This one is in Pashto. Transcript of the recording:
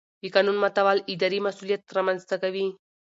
د قانون ماتول اداري مسؤلیت رامنځته کوي.